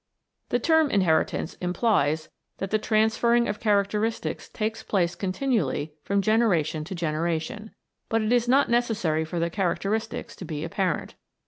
The term Inheritance implies that the transferring of characteristics takes place continually from genera tion to generation. But it is not necessary for the characteristics to be apparent.